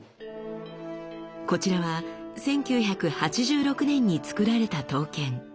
こちらは１９８６年につくられた刀剣。